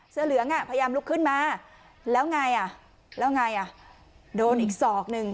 เหลืองอ่ะพยายามลุกขึ้นมาแล้วไงอ่ะแล้วไงอ่ะโดนอีกศอกหนึ่ง